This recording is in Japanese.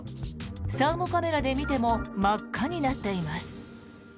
サーモカメラで見ても真っ赤になっています。